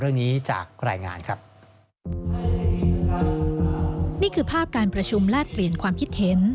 นี่คือภาพการประชุมแลกเปลี่ยนความคิดเห็น